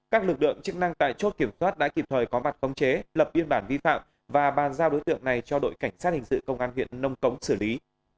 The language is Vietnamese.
các lực lượng chức năng tại chốt kiểm soát đã kịp thời có mặt khống chế lập biên bản vi phạm và bàn giao đối tượng này cho đội cảnh sát hình sự công an huyện nông cống xử lý